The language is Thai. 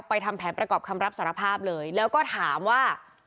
ทำแผนประกอบคำรับสารภาพเลยแล้วก็ถามว่า